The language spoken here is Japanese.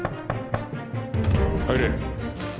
入れ。